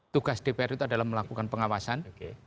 tugas dpr itu adalah melakukan pengawasan